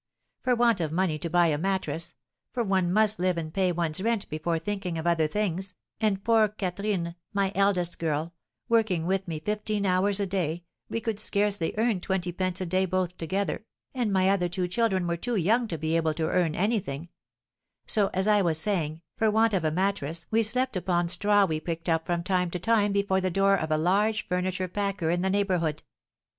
For want of money to buy a mattress (for one must live and pay one's rent before thinking of other things), and poor Catherine (my eldest girl) working with me fifteen hours a day, we could scarcely earn twenty pence a day both together, and my other two children were too young to be able to earn anything; so, as I was saying, for want of a mattress we slept upon straw we picked up from time to time before the door of a large furniture packer in the neighbourhood."